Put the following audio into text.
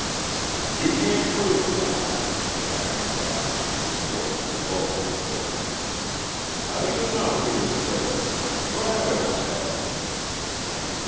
"You can't prove that!" Jack cried, his voice low and hoarse. "How do you know he was there? What evidence have you?"